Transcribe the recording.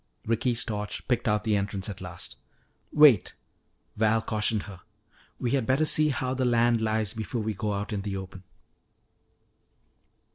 Ricky's torch picked out the entrance at last. "Wait," Val cautioned her, "we had better see how the land lies before we go out in the open."